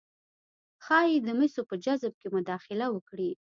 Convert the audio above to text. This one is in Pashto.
ښايي د مسو په جذب کې مداخله وکړي